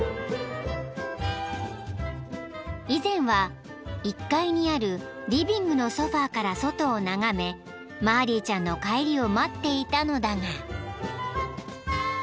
［以前は１階にあるリビングのソファから外を眺めマーリーちゃんの帰りを待っていたのだが］